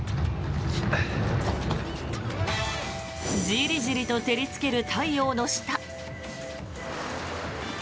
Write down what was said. じりじりと照りつける太陽の下。